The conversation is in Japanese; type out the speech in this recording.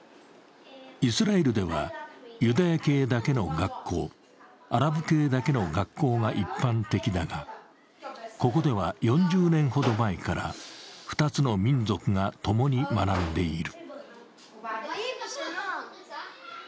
イスラエルではユダヤ系だけの学校、アラブ系だけの学校が一般的だが、ここでは４０年ほど前から２つの民族が共に学んでいる。